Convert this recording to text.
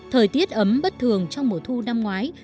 thời tiết ấm bất thường trong mùa thu năm ngoái